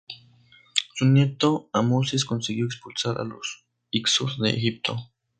Su nieto Amosis consiguió expulsar a los hicsos de Egipto.